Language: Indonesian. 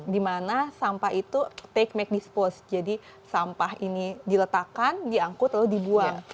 di mana sampah itu take make dispose jadi sampah ini diletakkan diangkut lalu dibuang